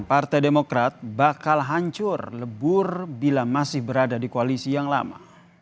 partai demokrat bakal hancur lebur bila masih berada di koalisi yang lama